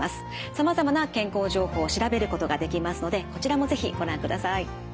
さまざまな健康情報を調べることができますのでこちらも是非ご覧ください。